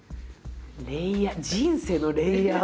レイヤー人生のレイヤー。